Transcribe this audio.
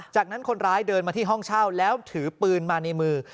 จากนั้นคนร้ายเดินมาที่ห้องเช่าแล้วถือปืนมาในมือ